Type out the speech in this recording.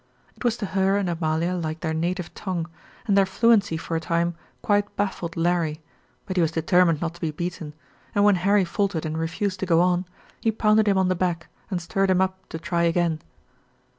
It was to her and Amalia like their native tongue, and their fluency for a time quite baffled Larry, but he was determined not to be beaten, and when Harry faltered and refused to go on, he pounded him on the back, and stirred him up to try again.